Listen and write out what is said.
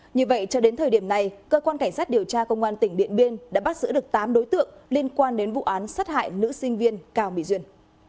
như vậy cho đến thời điểm này cơ quan cảnh sát điều tra công an tỉnh điện biên đã bắt giữ được tám đối tượng liên quan đến vụ án sát hại nữ sinh viên cao mỹ duyên